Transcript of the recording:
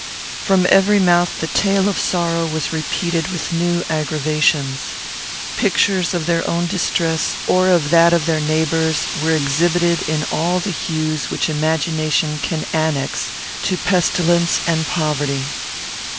From every mouth the tale of sorrow was repeated with new aggravations. Pictures of their own distress, or of that of their neighbours, were exhibited in all the hues which imagination can annex to pestilence and poverty.